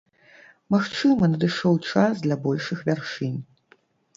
Магчыма, надышоў час для большых вяршынь.